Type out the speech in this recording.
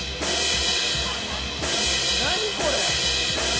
何これ？